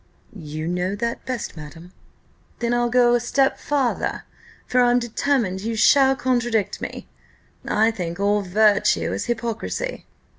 "You know that best, madam!" "Then I'll go a step farther; for I'm determined you shall contradict me: I think all virtue is hypocrisy."